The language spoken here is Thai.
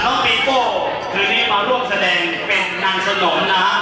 น้องปีโป้คืนนี้มาร่วมแสดงเป็นนางสนมนะครับ